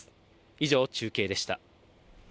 以上、中継でした。